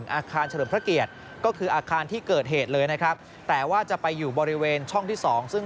อาคารเฉลิมพระเกียรติ